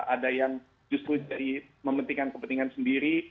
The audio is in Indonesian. ada yang justru jadi mementingkan kepentingan sendiri